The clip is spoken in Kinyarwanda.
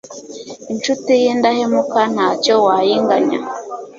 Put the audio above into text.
incuti y'indahemuka nta cyo wayinganya